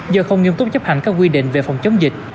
do không nghiêm túc chấp hành các quy định về phòng chống dịch